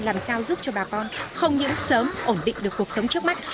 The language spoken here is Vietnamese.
làm sao giúp cho bà con không những sớm ổn định được cuộc sống trước mắt